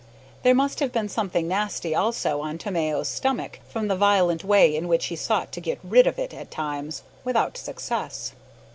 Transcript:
There must have been something nasty, also, on Tomeo's stomach, from the violent way in which he sought to get rid of it at times without success.